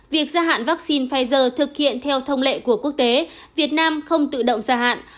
việc gia hạn vaccine pfizer thực hiện theo thông lệ của quốc tế việt nam không tự động gia hạn